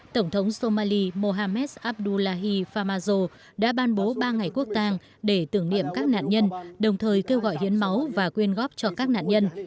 tổng thống somali mohammed abdullahi famazo đã ban bố ba ngày quốc tang để tưởng niệm các nạn nhân đồng thời kêu gọi hiến máu và quyên góp cho các nạn nhân